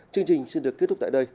chương trình xin được kết thúc tại đây